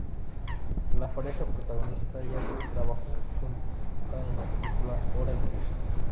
La pareja protagonista ya trabajó junta en la película "Horas de luz".